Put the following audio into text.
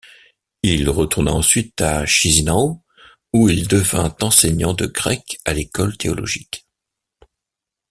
Il retourna ensuite à Chişinău où il devint enseignant de grec à l'école théologique.